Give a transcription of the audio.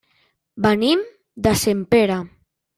Venim de Sempere.